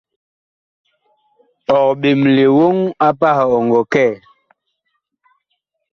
Ɔg ɓemle woŋ pah ɔ ngɔ kɛ?